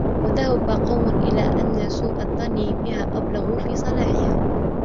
وَذَهَبَ قَوْمٌ إلَى أَنَّ سُوءَ الظَّنِّ بِهَا أَبْلُغُ فِي صَلَاحِهَا